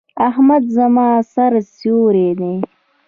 احمد زما د سر سيور دی.